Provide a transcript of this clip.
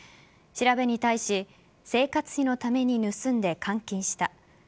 調べに対し生活費のために盗んで換金した。